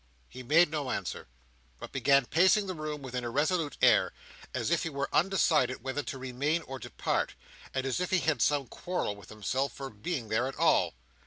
He made no answer; but began pacing the room with an irresolute air, as if he were undecided whether to remain or depart, and as if he had some quarrel with himself for being there at all.